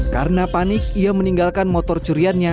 karena panik ia meninggalkan motor curiannya